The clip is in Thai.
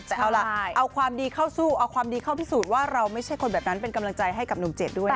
แต่เอาล่ะเอาความดีเข้าสู้เอาความดีเข้าพิสูจน์ว่าเราไม่ใช่คนแบบนั้นเป็นกำลังใจให้กับหนุ่มเจ็ดด้วยนะ